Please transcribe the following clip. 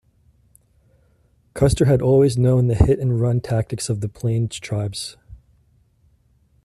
Custer had always known the hit and run tactics of the plains tribes.